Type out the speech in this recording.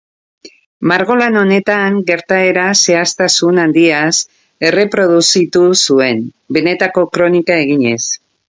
Margolan honetan gertaera zehaztasun handiaz erreproduzitu zuen, benetako kronika eginez.